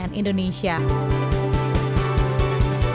sampai jumpa kami